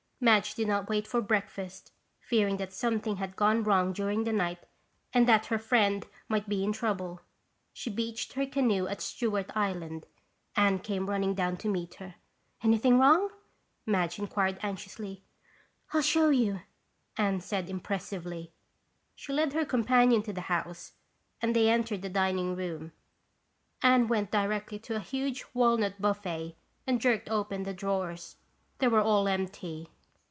Madge did not wait for breakfast, fearing that something had gone wrong during the night and that her friend might be in trouble. As she beached her canoe at Stewart Island, Anne came running down to meet her. "Anything wrong?" Madge inquired anxiously. "I'll show you," Anne said impressively. She led her companion to the house and they entered the dining room. Anne went directly to a huge walnut buffet and jerked open the drawers. They were all empty.